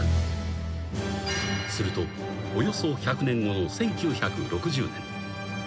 ［するとおよそ１００年後の１９６０年］